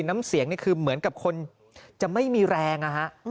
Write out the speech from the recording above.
น้ำเสียงคือเหมือนกับคนจะไม่มีแรง